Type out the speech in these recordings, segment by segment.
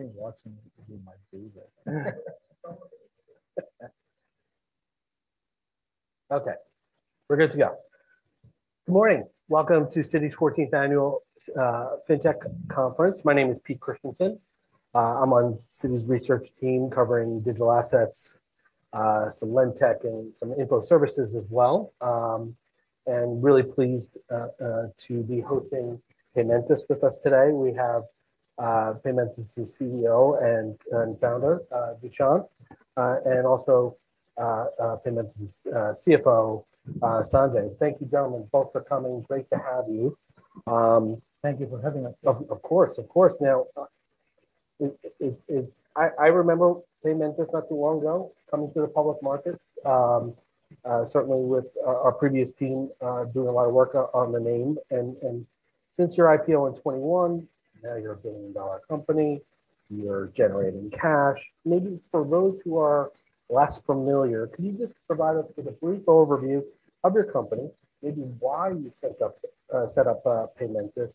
I think watching you do my favorite. Okay, we're good to go. Good morning. Welcome to Citi's 14th Annual FinTech Conference. My name is Pete Christensen. I'm on Citi's research team covering Digital Assets, some FinTech, and some Info Services as well. Really pleased to be hosting Paymentus with us today. We have Paymentus' CEO and Founder, Dushyant, and also Paymentus' CFO, Sanjay. Thank you, gentlemen. Thanks for coming. Great to have you. Thank you for having us. Of course, of course. I remember Paymentus not too long ago coming to the public markets, certainly with our previous team doing a lot of work on the name. Since your IPO in 2021, now you're a billion-dollar company. You're generating cash. Maybe for those who are less familiar, could you just provide us with a brief overview of your company, maybe why you set up Paymentus,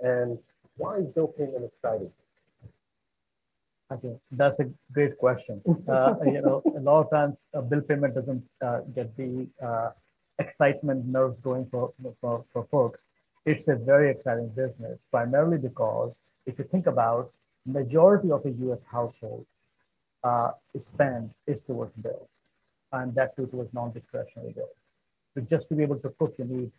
and why Bill Payment excited? I think that's a great question. A lot of times, Bill Payment doesn't get the excitement nerves going for folks. It's a very exciting business, primarily because if you think about the majority of the U.S. household, spend is towards bills, and that's due to non-discretionary bills. Just to be able to cook, you need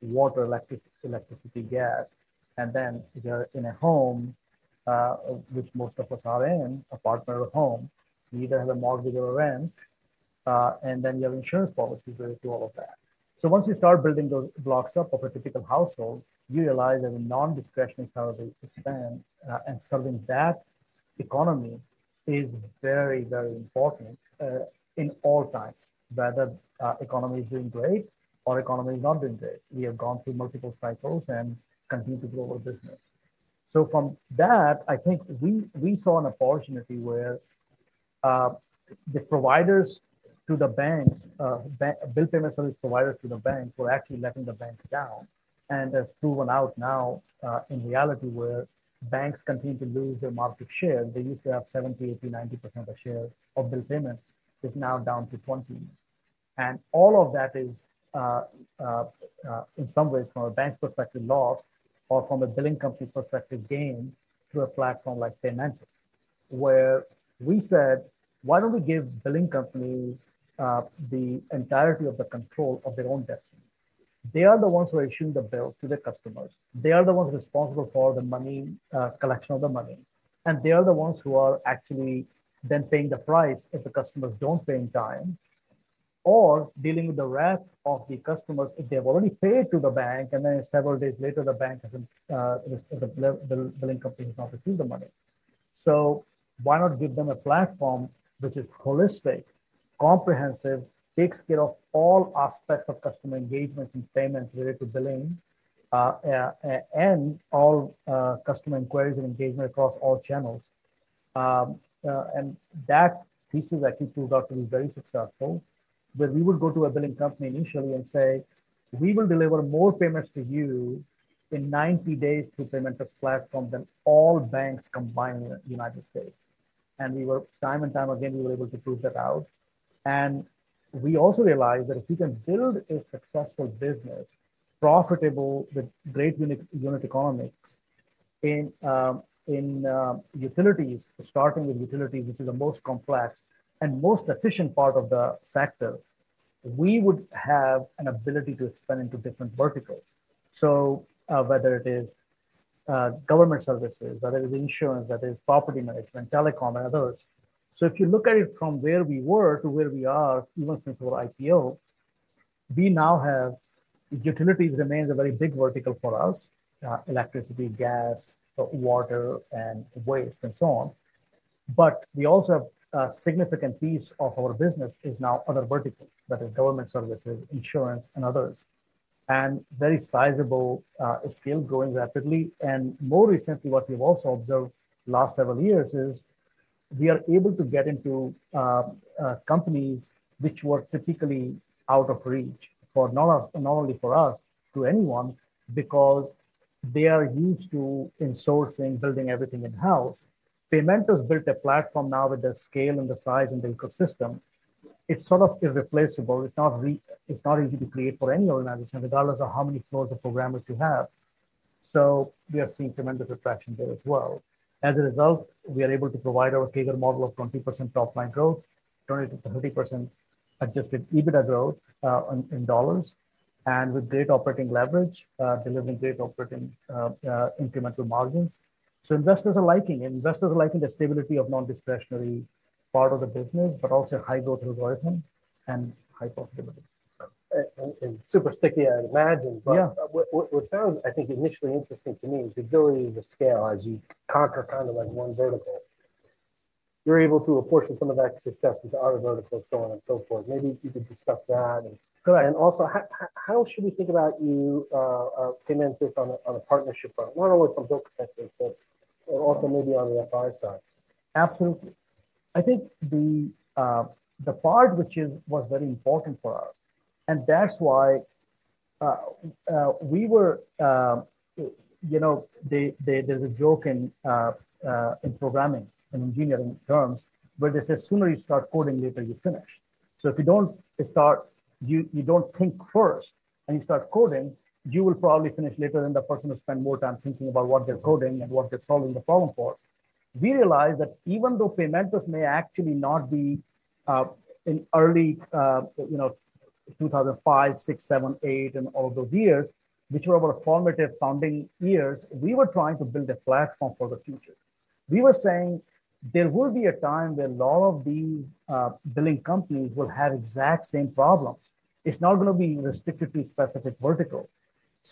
water, electricity, gas, and then you're in a home, which most of us are in, apartment or home. You either have a mortgage or a rent, and then you have Insurance Policies related to all of that. Once you start building those blocks up of a typical household, you realize there's a Non-discretionary side of the spend, and serving that economy is very, very important in all times, whether the economy is doing great or the economy is not doing great. We have gone through multiple cycles and continue to grow our business. From that, I think we saw an opportunity where the providers to the banks, Bill Payment service providers to the banks, were actually letting the banks down. As proven out now in reality, where banks continue to lose their market share, they used to have 70%, 80%, 90% of the share of Bill Payments, is now down to 20%. All of that is, in some ways, from a bank's perspective loss or from a Billing Company's perspective gain through a platform like Paymentus, where we said, "Why don't we give billing companies the entirety of the control of their own destiny? They are the ones who are issuing the bills to their customers. They are the ones responsible for the collection of the money, and they are the ones who are actually then paying the price if the customers don't pay in time or dealing with the rest of the customers if they've already paid to the bank, and then several days later, the bank hasn't—the Billing Company has not received the money. Why not give them a platform which is holistic, comprehensive, takes care of all aspects of customer engagement and payments related to billing and all customer inquiries and engagement across all channels? That piece is actually proved out to be very successful, where we would go to a Billing Company initially and say, "We will deliver more payments to you in 90 days through Paymentus' platform than all banks combined in the United States." Time and time again, we were able to prove that out. We also realized that if we can build a successful business, profitable with great unit economics in utilities, starting with utilities, which is the most complex and most efficient part of the sector, we would have an ability to expand into different verticals. Whether it is government services, whether it is insurance, whether it is Property Management, Telecom, and others. If you look at it from where we were to where we are even since our IPO, we now have utilities remains a very big vertical for us: electricity, gas, water, and waste, and so on. We also have a significant piece of our business is now other verticals, that is government services, insurance, and others, and very sizable scale growing rapidly. More recently, what we've also observed the last several years is we are able to get into companies which were typically out of reach, not only for us, to anyone, because they are used to insourcing, building everything in-house. Paymentus built a platform now with the scale and the size and the ecosystem. It's sort of irreplaceable. It's not easy to create for any organization, regardless of how many floors of programmers you have. We are seeing tremendous attraction there as well. As a result, we are able to provide our figure model of 20% top-line growth, 20-30% adjusted EBITDA growth in dollars, and with great operating leverage, delivering great Operating Incremental Margins. Investors are liking it. Investors are liking the stability of non-discretionary part of the business, but also high growth algorithm and high profitability. Super sticky, I imagine. What sounds, I think, initially interesting to me is the ability to scale as you conquer kind of like one vertical. You're able to apportion some of that success into other verticals, so on and so forth. Maybe you could discuss that. Also, how should we think about you, Paymentus, on a partnership front, not only from bill perspective, but also maybe on the FI side? Absolutely. I think the part which was very important for us, and that's why we were—there's a joke in programming and engineering terms where they say, "Sooner you start coding, later you finish." If you don't start, you don't think first, and you start coding, you will probably finish later than the person who spent more time thinking about what they're coding and what they're solving the problem for. We realized that even though Paymentus may actually not be in early 2005, 2006, 2007, 2008, and all those years, which were our formative founding years, we were trying to build a platform for the future. We were saying there will be a time where a lot of these billing companies will have exact same problems. It's not going to be restricted to specific verticals.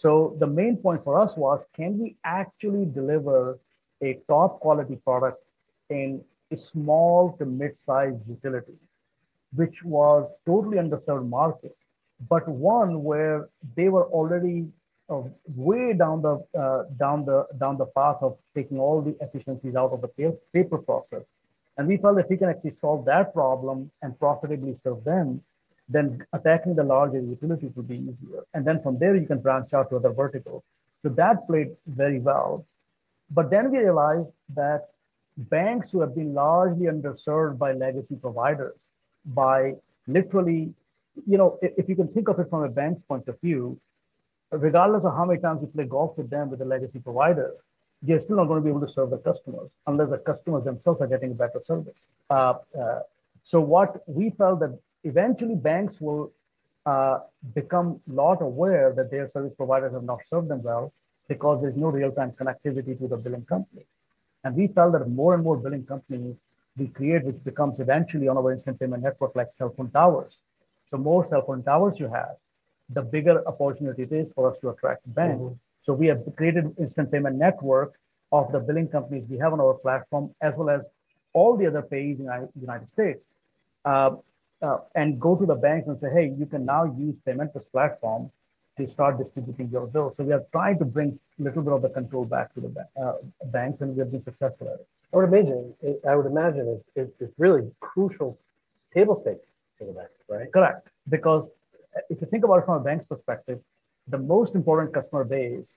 The main point for us was, can we actually deliver a top-quality product in small to mid-sized utilities, which was a totally underserved market, but one where they were already way down the path of taking all the efficiencies out of the paper process? We felt if we can actually solve that problem and profitably serve them, then attacking the larger utilities would be easier. From there, you can branch out to other verticals. That played very well. Then we realized that banks who have been largely underserved by legacy providers, by literally—if you can think of it from a bank's point of view, regardless of how many times you play golf with them with a legacy provider, you are still not going to be able to serve the customers unless the customers themselves are getting better service. We felt that eventually banks will become a lot aware that their service providers have not served them well because there's no real-time connectivity to the Billing Company. We felt that more and more billing companies we create, which becomes eventually on our Instant Payment Network like cell phone towers. The more Cell Phone Towers you have, the bigger opportunity it is for us to attract banks. We have created an Instant Payment Network of the Billing companies we have on our platform, as well as all the other paying in the United States, and go to the banks and say, "Hey, you can now use Paymentus' platform to start distributing your bills." We are trying to bring a little bit of the control back to the banks, and we have been successful at it. I would imagine it's really crucial table stakes for the banks, right? Correct. Because if you think about it from a bank's perspective, the most important customer base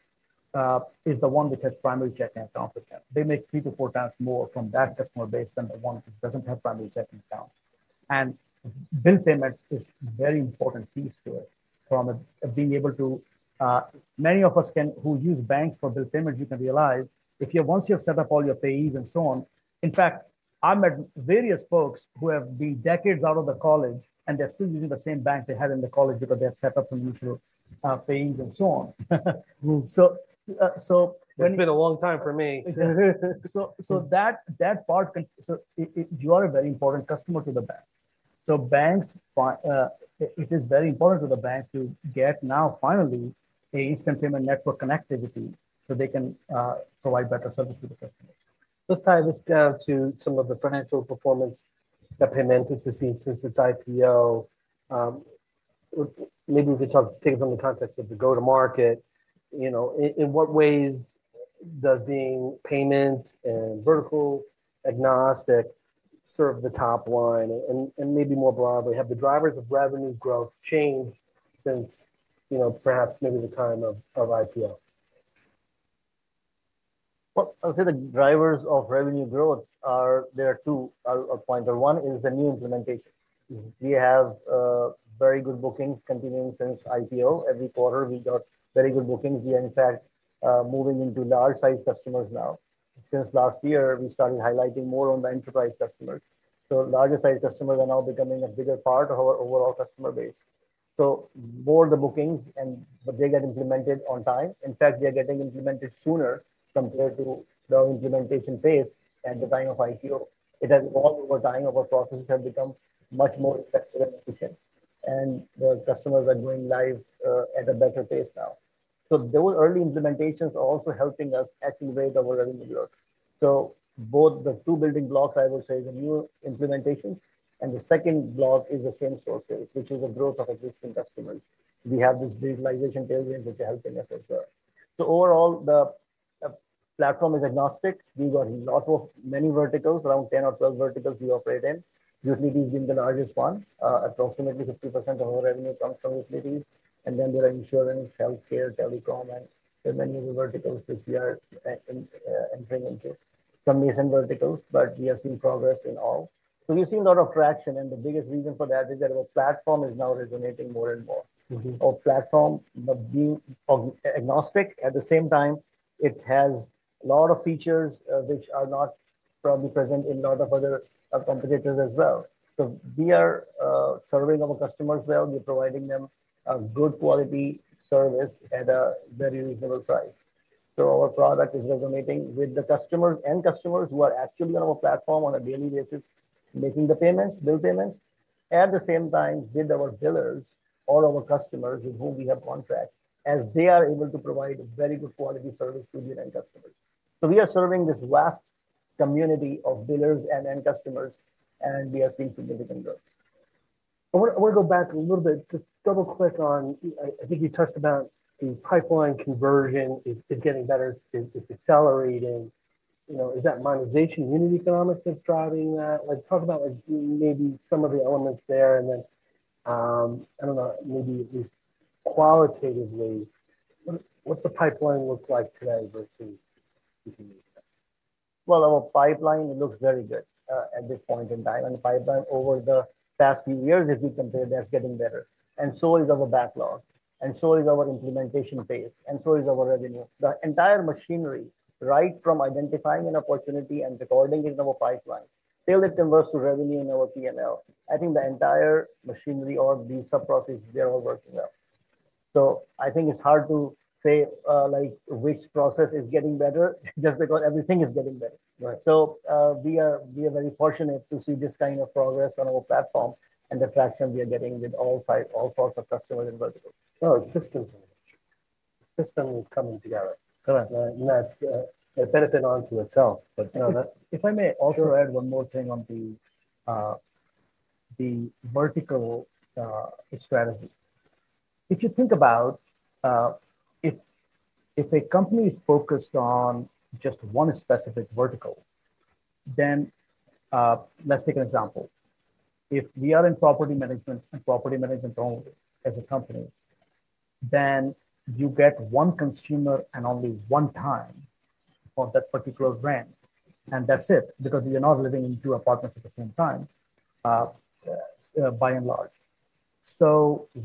is the one which has primary checking accounts with them. They make three to four times more from that customer base than the one which does not have primary checking accounts. Bill payments is a very important piece to it from being able to—many of us who use banks for bill payments, you can realize once you have set up all your payees and so on. In fact, I have met various folks who have been decades out of college, and they are still using the same bank they had in college because they have set up some mutual payees and so on. It's been a long time for me. That part, you are a very important customer to the bank. It is very important to the bank to get now finally an Instant Payment Network connectivity so they can provide better service to the customers. Let's tie this now to some of the financial performance that Paymentus has seen since its IPO. Maybe we could take it from the context of the go-to-market. In what ways does being payments and vertical agnostic serve the top line? Maybe more broadly, have the drivers of revenue growth changed since perhaps maybe the time of IPO? I would say the drivers of revenue growth are there are two. One is the new implementation. We have very good bookings continuing since IPO. Every quarter, we got very good bookings. We are in fact moving into large-sized customers now. Since last year, we started highlighting more on the enterprise customers. Larger-sized customers are now becoming a bigger part of our overall customer base. More of the bookings, but they get implemented on time. In fact, they are getting implemented sooner compared to the implementation phase and the time of IPO. It has evolved over time. Our processes have become much more effective and efficient, and the customers are going live at a better pace now. Those early implementations are also helping us accelerate our revenue growth. Both the two building blocks, I would say, the new implementations and the second block is the same sources, which is the growth of existing customers. We have this digitalization tailwind which is helping us as well. Overall, the platform is agnostic. We've got a lot of many verticals, around 10 or 12 verticals we operate in. Utilities being the largest one. Approximately 50% of our revenue comes from utilities. Then there are insurance, healthcare, telecom, and there are many other verticals which we are entering into. Some nascent verticals, but we have seen progress in all. We've seen a lot of traction, and the biggest reason for that is that our platform is now resonating more and more. Our platform being agnostic, at the same time, it has a lot of features which are not probably present in a lot of other competitors as well. We are serving our customers well. We are providing them a good quality service at a very reasonable price. Our product is resonating with the customers and customers who are actually on our platform on a daily basis, making the payments, bill payments, at the same time with our billers or our customers with whom we have contracts, as they are able to provide a very good quality service to their end customers. We are serving this vast community of billers and end customers, and we are seeing significant growth. I want to go back a little bit to double-click on, I think you touched on the pipeline conversion is getting better. It's accelerating. Is that monetization unit economics that's driving that? Talk about maybe some of the elements there, and then I don't know, maybe at least qualitatively, what's the pipeline look like today versus? Our pipeline, it looks very good at this point in time on the pipeline. Over the past few years, if you compare, that's getting better. And so is our backlog, and so is our implementation phase, and so is our revenue. The entire machinery, right from identifying an opportunity and recording it in our pipeline till it converts to revenue in our P&L, I think the entire machinery or the sub-processes, they're all working well. I think it's hard to say which process is getting better just because everything is getting better. We are very fortunate to see this kind of progress on our platform and the traction we are getting with all sorts of customers and verticals. Oh, systems and verticals. Systems coming together. Correct. That's a benefit onto itself. If I may also add one more thing on the Vertical Strategy. If you think about if a company is focused on just one specific vertical, then let's take an example. If we are in Property Management and Property Management only as a company, then you get one consumer and only one time for that particular brand, and that's it because you're not living in two apartments at the same time, by and large.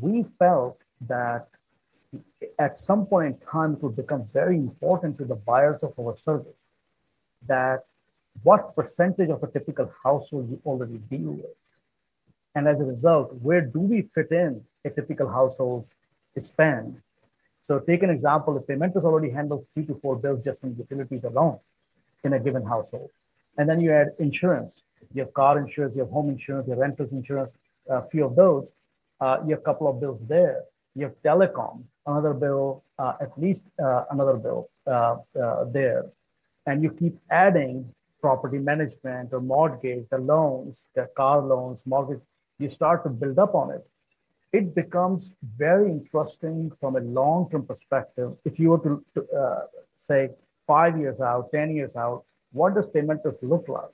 We felt that at some point in time, it would become very important to the buyers of our service that what percentage of a typical household you already deal with? As a result, where do we fit in a typical household's spend? Take an example. If Paymentus already handles three to four bills just from utilities alone in a given household, and then you add insurance, you have car insurance, you have home insurance, you have renters insurance, a few of those, you have a couple of bills there, you have telecom, another bill, at least another bill there, and you keep adding property management or mortgage, the loans, the car loans, mortgage, you start to build up on it, it becomes very interesting from a long-term perspective. If you were to say five years out, ten years out, what does Paymentus look like?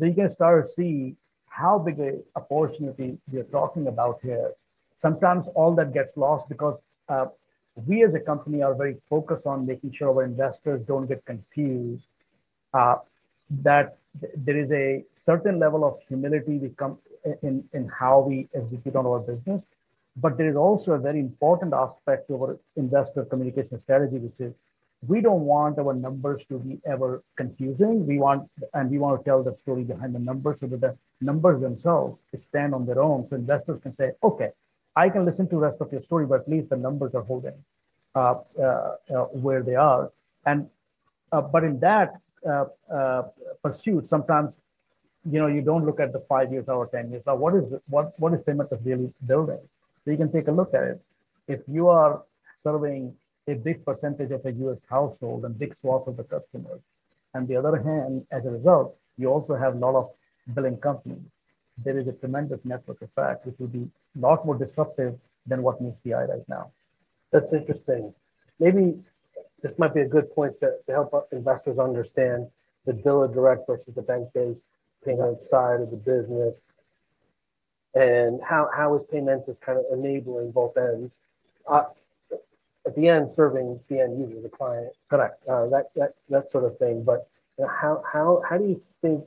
You can start to see how big an opportunity we are talking about here. Sometimes all that gets lost because we as a company are very focused on making sure our investors don't get confused, that there is a certain level of humility in how we execute on our business. There is also a very important aspect of our investor communication strategy, which is we do not want our numbers to be ever confusing, and we want to tell the story behind the numbers so that the numbers themselves stand on their own so investors can say, "Okay, I can listen to the rest of your story, but at least the numbers are holding where they are." In that pursuit, sometimes you do not look at the five years out or ten years out. What is Paymentus really building? You can take a look at it. If you are serving a big percentage of a U.S. household and a big swath of the customers, on the other hand, as a result, you also have a lot of billing companies, there is a tremendous network effect, which would be a lot more disruptive than what meets the eye right now. That's interesting. Maybe this might be a good point to help investors understand the biller direct versus the bank-based payments side of the business and how is Paymentus kind of enabling both ends at the end, serving the end user, the client. Correct. That sort of thing. How do you think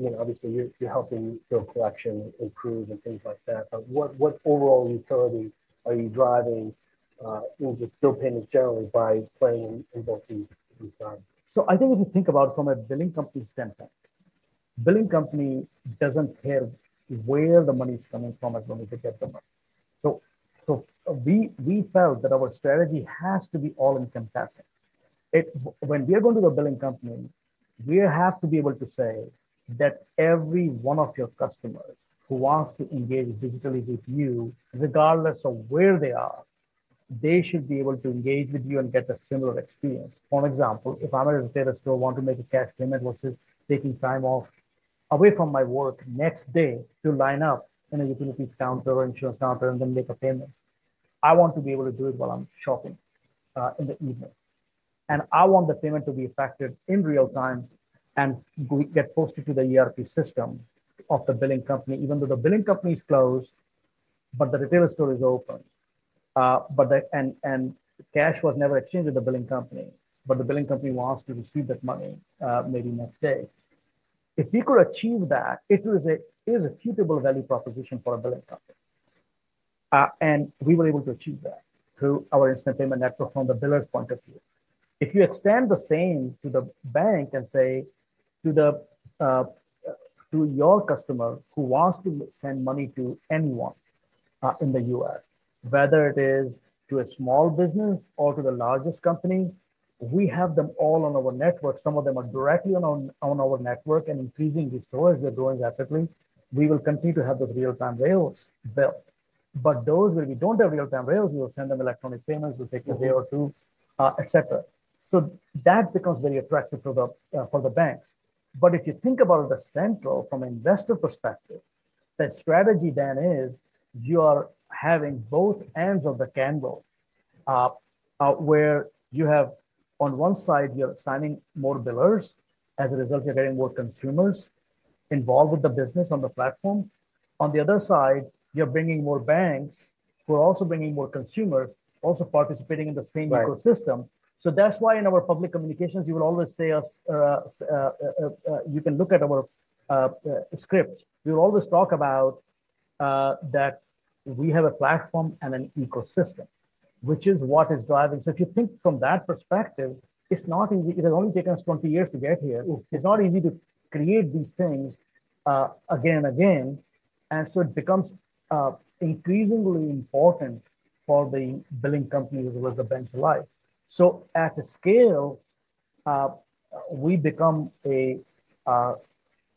the—obviously, you're helping bill collection improve and things like that. What overall utility are you driving in just bill payments generally by playing in both these sides? I think if you think about it from a Billing Company standpoint, the Billing Company doesn't care where the money is coming from as long as they get the money. We felt that our strategy has to be all-encompassing. When we are going to a Billing Company, we have to be able to say that every one of your customers who wants to engage digitally with you, regardless of where they are, they should be able to engage with you and get a similar experience. For example, if I'm at a data store and want to make a cash payment versus taking time off away from my work next day to line up in a utilities counter or insurance counter and then make a payment, I want to be able to do it while I'm shopping in the evening. I want the payment to be effective in real time and get posted to the ERP system of the Billing Company, even though the Billing Company is closed, but the retail store is open, and cash was never exchanged at the Billing Company, but the Billing Company wants to receive that money maybe next day. If we could achieve that, it is a suitable value proposition for a Billing Company. We were able to achieve that through our Instant Payment Network from the biller's point of view. If you extend the same to the bank and say to your customer who wants to send money to anyone in the U.S., whether it is to a small business or to the largest company, we have them all on our network. Some of them are directly on our network, and increasingly so as they're growing rapidly, we will continue to have those Real-time Rails built. For those where we do not have Real-time Rails, we will send them electronic payments. It will take a day or two, etc. That becomes very attractive for the banks. If you think about the central from an investor perspective, that strategy then is you are having both ends of the candle where you have on one side, you're signing more billers. As a result, you're getting more consumers involved with the business on the platform. On the other side, you're bringing more banks who are also bringing more consumers, also participating in the same ecosystem. That is why in our Public Communications, you will always see us—you can look at our scripts. We will always talk about that we have a platform and an ecosystem, which is what is driving. If you think from that perspective, it's not easy. It has only taken us 20 years to get here. It's not easy to create these things again and again. It becomes increasingly important for the Billing Company as well as the bank's life. At a scale, we become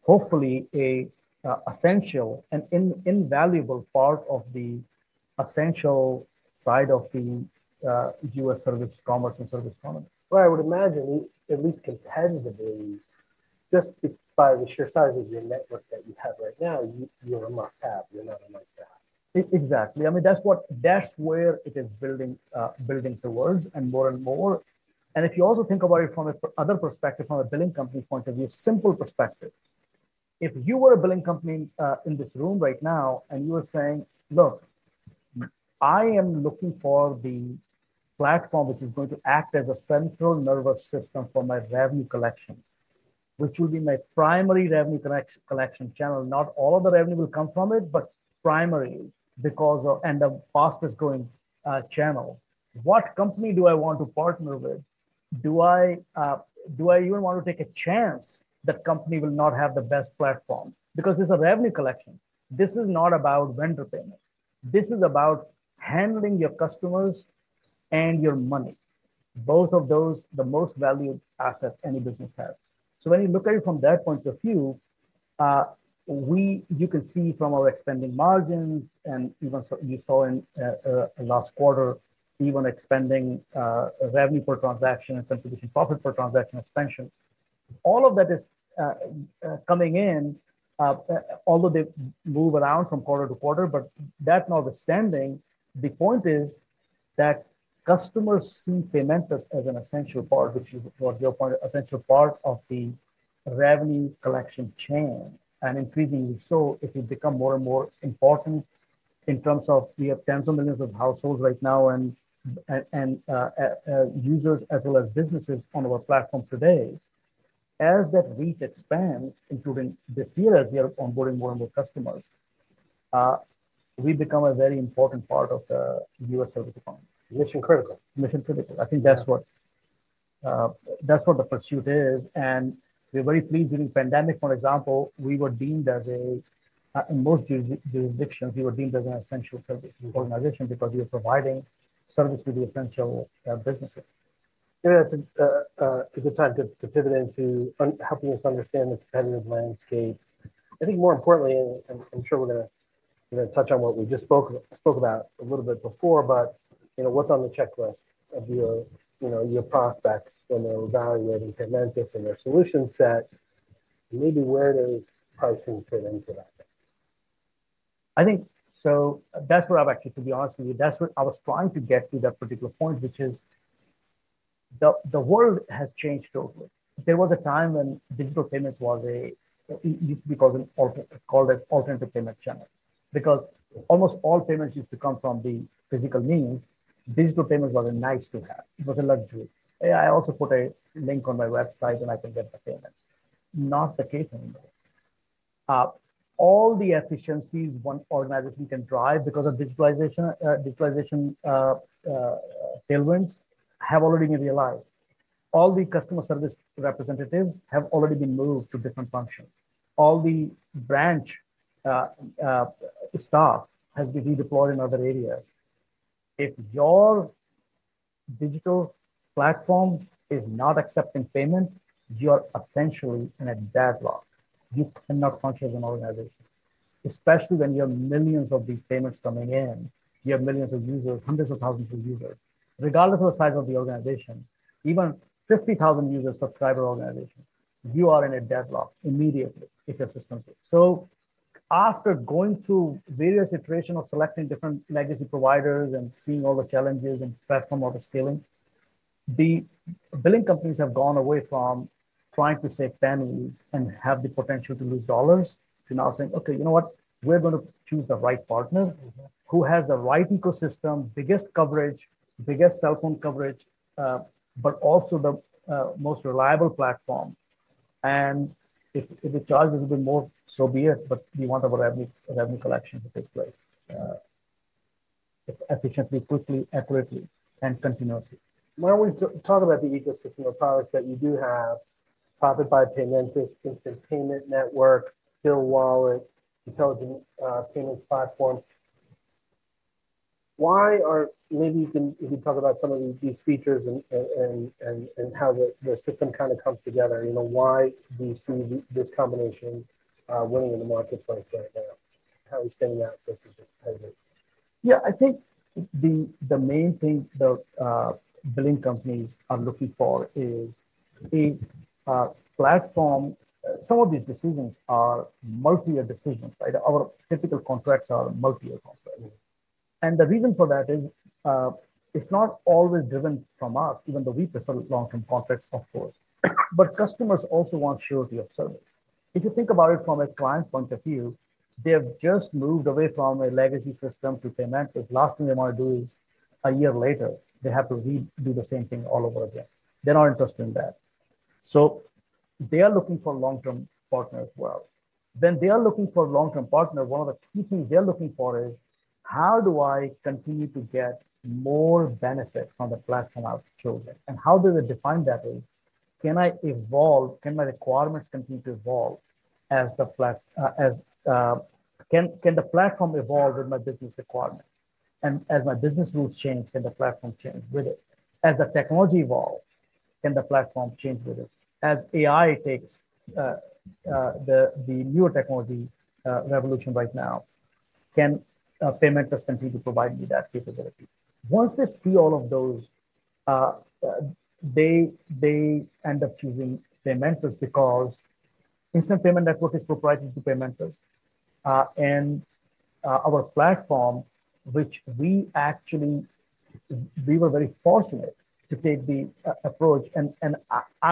hopefully an essential and invaluable part of the essential side of the U.S. service commerce and service economy. I would imagine at least competitively, just by the sheer size of your network that you have right now, you're a must-have. You're not a nice-to-have. Exactly. I mean, that's where it is building towards and more and more. And if you also think about it from another perspective, from a Billing Company point of view, simple perspective, if you were a Billing Company in this room right now and you were saying, "Look, I am looking for the platform which is going to act as a Central Nervous System for my Revenue Collection, which will be my primary Revenue Collection channel." Not all of the revenue will come from it, but primary and the fastest-growing channel. What company do I want to partner with? Do I even want to take a chance that company will not have the best platform? Because it's a Revenue Collection. This is not about Vendor Payment. This is about handling your customers and your money. Both of those are the most valued assets any business has. When you look at it from that point of view, you can see from our expanding margins and even you saw in last quarter, even expanding revenue per transaction and contribution profit per transaction expansion. All of that is coming in, although they move around from quarter to quarter. That notwithstanding, the point is that customers see Paymentus as an essential part, which is, to your point, an essential part of the Revenue Collection chain. Increasingly so, it will become more and more important in terms of we have tens of millions of households right now and users as well as businesses on our platform today. As that reach expands, including this year as we are onboarding more and more customers, we become a very important part of the U.S. service economy. Mission critical. Mission critical. I think that's what the pursuit is. We are very pleased during the pandemic. For example, we were deemed as a—in most jurisdictions, we were deemed as an essential service organization because we were providing service to the essential businesses. Yeah, that's a good time to pivot into helping us understand the competitive landscape. I think more importantly, and I'm sure we're going to touch on what we just spoke about a little bit before, but what's on the checklist of your prospects when they're evaluating Paymentus and their solution set? Maybe where does pricing fit into that? I think so that's where I'm actually, to be honest with you, that's where I was trying to get to that particular point, which is the world has changed totally. There was a time when digital payments used to be called an Alternative payment channel because almost all payments used to come from the physical means. Digital payments were a nice-to-have. It was a luxury. I also put a link on my website and I can get the payments. Not the case anymore. All the efficiencies one organization can drive because of digitalization tailwinds have already been realized. All the customer service representatives have already been moved to different functions. All the branch staff have been redeployed in other areas. If your digital platform is not accepting payment, you are essentially in a deadlock. You cannot function as an organization, especially when you have millions of these payments coming in. You have millions of users, hundreds of thousands of users. Regardless of the size of the organization, even 50,000 users subscribe to our organization, you are in a deadlock immediately if your system fails. After going through various iterations of selecting different legacy providers and seeing all the challenges and platform autoscaling, the billing companies have gone away from trying to save pennies and have the potential to lose dollars to now saying, "Okay, you know what? We're going to choose the right partner who has the right ecosystem, biggest coverage, biggest cell phone coverage, but also the most reliable platform." If the charge is a bit more, so be it, but we want our Revenue Collection to take place efficiently, quickly, accurately, and continuously. When we talk about the ecosystem of products that you do have, Paymentus, Instant Payment Network, Bill Wallet, Intelligent Payments Platform, why are, maybe you can talk about some of these features and how the system kind of comes together. Why do you see this combination winning in the marketplace right now? How are we standing out versus the competitors? Yeah, I think the main thing that billing companies are looking for is a platform. Some of these decisions are multi-year decisions, right? Our typical contracts are multi-year contracts. The reason for that is it's not always driven from us, even though we prefer long-term contracts, of course. Customers also want surety of service. If you think about it from a client point of view, they have just moved away from a Legacy System to Paymentus. Last thing they want to do is a year later, they have to redo the same thing all over again. They're not interested in that. They are looking for a long-term partner as well. When they are looking for a long-term partner, one of the key things they're looking for is, "How do I continue to get more benefit from the platform I've chosen?" How they define that is, "Can I evolve? Can my requirements continue to evolve? Can the platform evolve with my business requirements? As my business rules change, can the platform change with it? As the technology evolves, can the platform change with it? As AI takes the newer technology revolution right now, can Paymentus continue to provide me that capability?" Once they see all of those, they end up choosing Paymentus because Instant Payment Network is proprietary to Paymentus. Our platform, which we actually—we were very fortunate to take the approach. I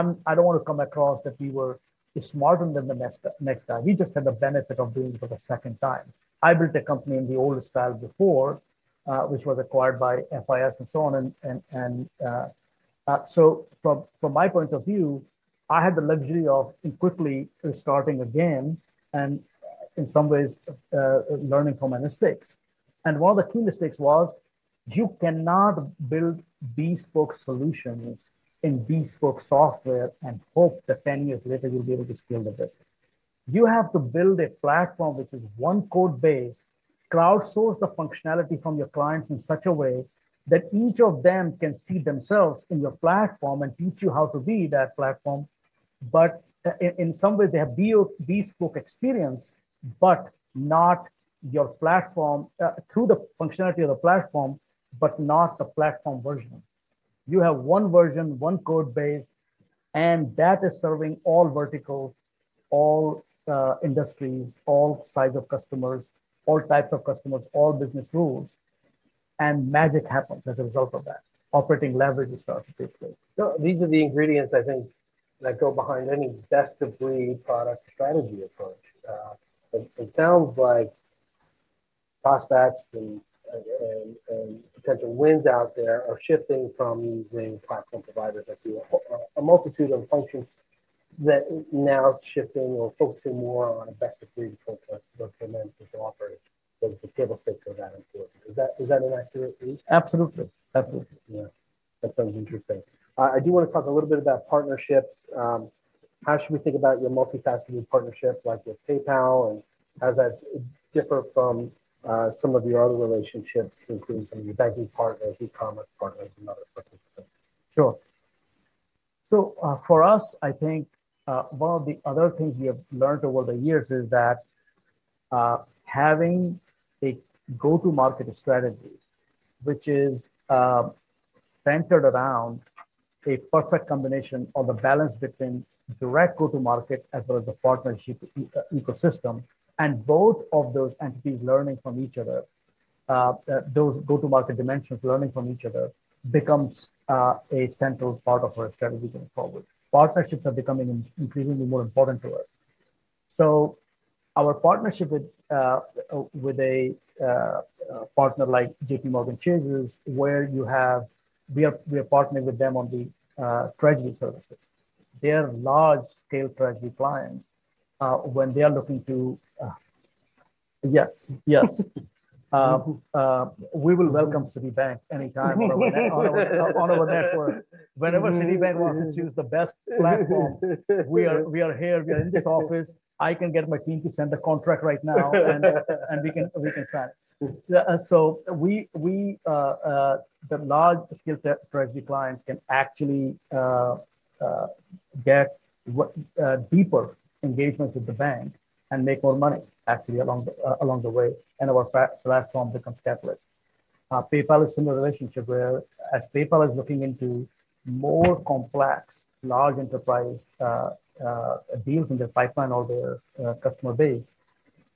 don't want to come across that we were smarter than the next guy. We just had the benefit of doing it for the second time. I built a company in the old style before, which was acquired by FIS and so on. From my point of view, I had the luxury of quickly restarting again and in some ways learning from my mistakes. One of the key mistakes was you cannot build bespoke solutions in bespoke software and hope that 10 years later you'll be able to scale the business. You have to build a platform which is one code base, crowdsource the functionality from your clients in such a way that each of them can see themselves in your platform and teach you how to be that platform. In some way, they have bespoke experience, but not your platform through the functionality of the platform, but not the platform version. You have one version, one code base, and that is serving all verticals, all industries, all sizes of customers, all types of customers, all business rules. Magic happens as a result of that. Operating leverage starts to take place. These are the ingredients, I think, that go behind any Best-of-breed product Strategy Approach. It sounds like prospects and potential wins out there are shifting from using platform providers that do a multitude of functions that now are shifting or focusing more on a Best-of-breed Approach versus what Paymentus offers. The table stakes are that important. Is that an accurate read? Absolutely. Absolutely. Yeah. That sounds interesting. I do want to talk a little bit about partnerships. How should we think about your multifaceted partnership like with PayPal? How does that differ from some of your other relationships, including some of your banking partners, e-commerce partners, and other participants? Sure. For us, I think one of the other things we have learned over the years is that having a go-to-market strategy, which is centered around a perfect combination of the balance between direct go-to-market as well as the partnership ecosystem, and both of those entities learning from each other, those go-to-market dimensions learning from each other becomes a central part of our strategy going forward. Partnerships are becoming increasingly more important to us. Our partnership with a partner like J.P. Morgan Chase is where you have—we are partnering with them on the treasury services. They are large-scale treasury clients when they are looking to—yes, yes. We will welcome Citibank anytime on our network. Whenever Citibank wants to choose the best platform, we are here. We are in this office. I can get my team to send the contract right now, and we can sign. The large-scale treasury clients can actually get deeper engagement with the bank and make more money, actually, along the way. Our platform becomes catalyst. PayPal is in the relationship where as PayPal is looking into more complex large enterprise deals in their pipeline or their customer base,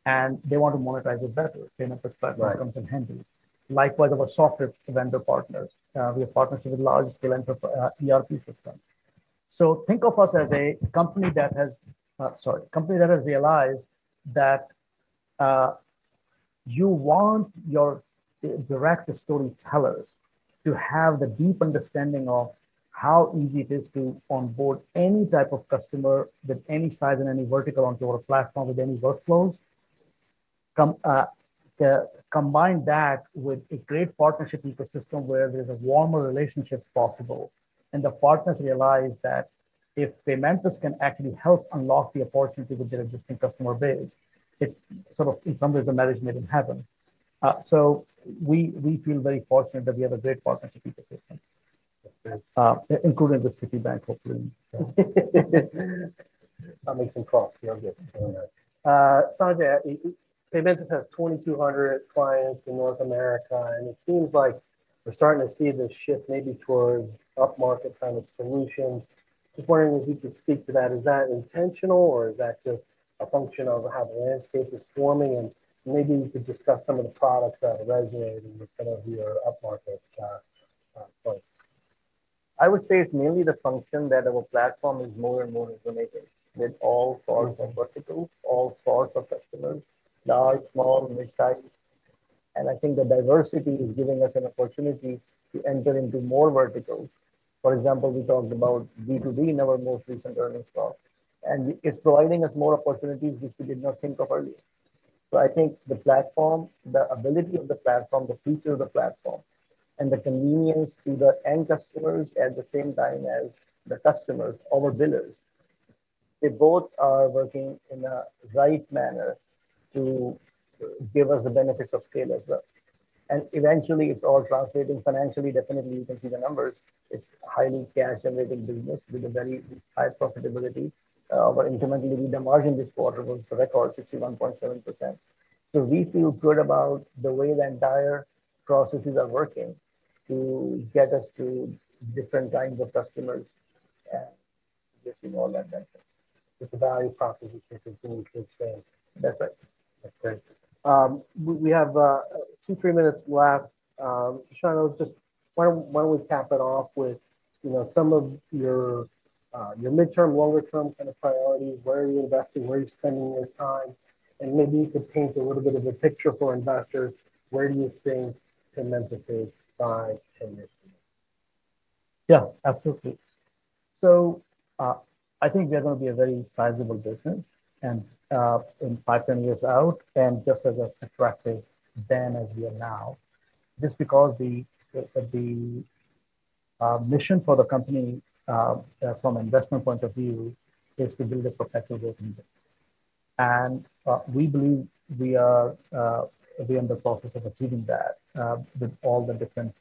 and they want to monetize it better. Paymentus platform becomes a handy. Likewise, our software vendor partners, we have partnership with large-scale ERP systems. Think of us as a company that has—sorry, company that has realized that you want your direct storytellers to have the deep understanding of how easy it is to onboard any type of customer with any size and any vertical onto our platform with any workflows. Combine that with a great partnership ecosystem where there's a warmer relationship possible. The partners realize that if Paymentus can actually help unlock the opportunity with their existing customer base, it sort of, in some ways, the marriage made it happen. We feel very fortunate that we have a great partnership ecosystem, including with Citibank, hopefully. That makes some costs, obviously. Sanjay, Paymentus has 2,200 clients in North America, and it seems like we're starting to see the shift maybe towards upmarket kind of solutions. Just wondering if you could speak to that. Is that intentional, or is that just a function of how the landscape is forming? Maybe you could discuss some of the products that are resonating with some of your upmarket clients. I would say it's mainly the function that our platform is more and more resonating with all sorts of verticals, all sorts of customers, large, small, mid-size. I think the diversity is giving us an opportunity to enter into more verticals. For example, we talked about B2B in our most recent earnings call. It's providing us more opportunities which we did not think of earlier. I think the platform, the ability of the platform, the feature of the platform, and the convenience to the end customers at the same time as the customers, our billers, they both are working in a right manner to give us the benefits of scale as well. Eventually, it's all translating financially. Definitely, you can see the numbers. It's a highly cash-generating business with a very high profitability. Our incremental EBITDA margin this quarter was the record, 61.7%. We feel good about the way the entire processes are working to get us to different kinds of customers, and obviously all that venture. It's a value proposition to move to scale. That's right. That's good. We have two, three minutes left. Sanjay, I was just—why don't we cap it off with some of your midterm, longer-term kind of priorities? Where are you investing? Where are you spending your time? Maybe you could paint a little bit of a picture for investors. Where do you think Paymentus is 5, 10 years from now? Yeah, absolutely. I think we are going to be a very sizable business in 5, 10 years out and just as attractive then as we are now. Just because the mission for the company from an investment point of view is to build a perpetual growth engine. We believe we are in the process of achieving that with all the different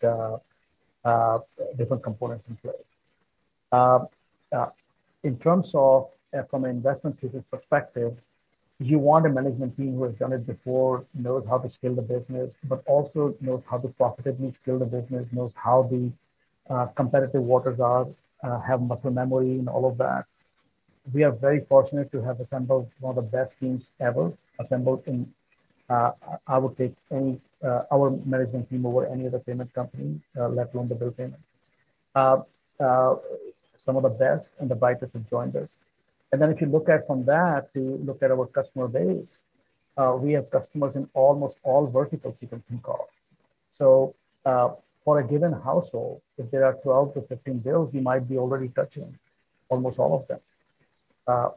components in place. In terms of from an investment business perspective, you want a Management Team who has done it before, knows how to scale the business, but also knows how to profitably scale the business, knows how the competitive waters are, have muscle memory and all of that. We are very fortunate to have assembled one of the best teams ever assembled in, I would take any our Management Team over any other payment company, let alone the bill payment. Some of the best and the brightest have joined us. If you look at from that to look at our customer base, we have customers in almost all verticals you can think of. For a given household, if there are 12 to 15 bills, you might be already touching almost all of them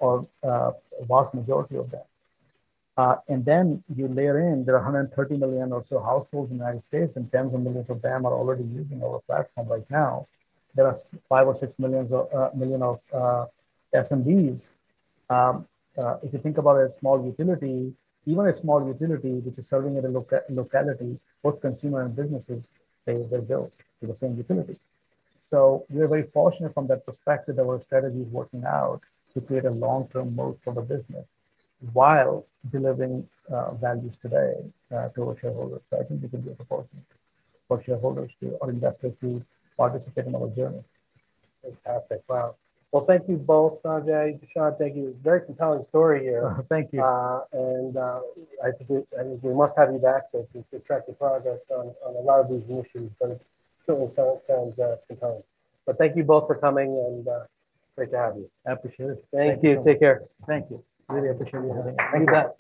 or the vast majority of them. You layer in there are 130 million or so households in the United States, and tens of millions of them are already using our platform right now. There are five or six million of SMBs. If you think about a small utility, even a small utility which is serving at a locality, both consumer and businesses pay their bills to the same utility. We are very fortunate from that perspective that our strategy is working out to create a long-term move for the business while delivering values today to our shareholders. I think we can be a proportion for shareholders too or investors to participate in our journey. Fantastic. Wow. Thank you both, Sanjay Sharma. Thank you. Very compelling story here. Thank you. I think we must have you back to track your progress on a lot of these issues, but it certainly sounds compelling. Thank you both for coming, and great to have you. Appreciate it. Thank you. Take care. Thank you. Really appreciate you having me. Thank you.